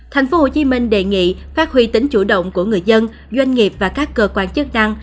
tp hcm đề nghị phát huy tính chủ động của người dân doanh nghiệp và các cơ quan chức năng